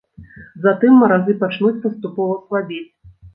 Затым маразы пачнуць паступова слабець.